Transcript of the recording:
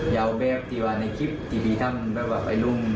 ยาวแบบที่ไว้ในคลิป